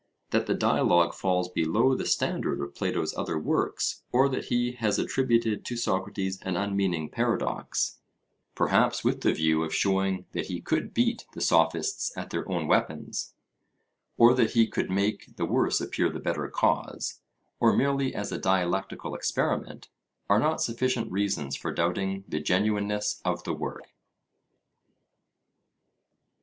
That the dialogue falls below the standard of Plato's other works, or that he has attributed to Socrates an unmeaning paradox (perhaps with the view of showing that he could beat the Sophists at their own weapons; or that he could 'make the worse appear the better cause'; or merely as a dialectical experiment) are not sufficient reasons for doubting the genuineness of the work.